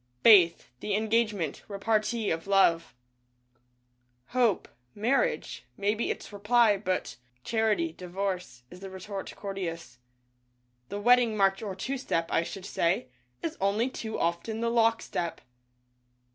Faith — The Engagement — repartee of Love. Hope — Marriage — maybe its reply, but Charity — Divorce — is the retort courteous. The wedding march or two step, I should say, is only too often the lock step.